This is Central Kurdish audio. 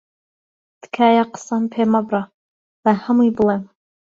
تکایە قسەم پێ مەبڕە، با هەمووی بڵێم.